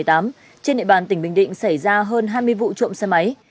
trên địa bàn tỉnh bình định xảy ra hơn hai mươi vụ trộm xe máy